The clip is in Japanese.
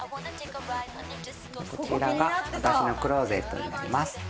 こちらが私のクローゼットになります。